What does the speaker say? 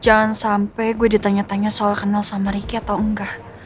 jangan sampai gue ditanya tanya soal kenal sama ricky atau enggak